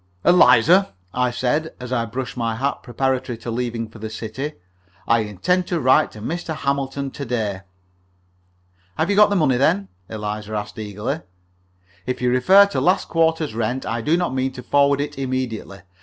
"Eliza," I said, as I brushed my hat preparatory to leaving for the city, "I intend to write to Mr. Hamilton to day." "Have you got the money, then?" Eliza asked, eagerly. "If you refer to last quarter's rent, I do not mean to forward it immediately.